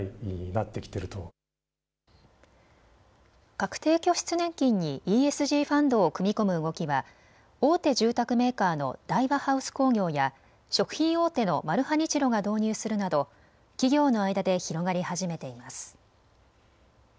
確定拠出年金にＥＳＧファンドを組み込む動きは大手住宅メーカーの大和ハウス工業や食品大手のマルハニチロが導入するなど企業の間で広がり始めています。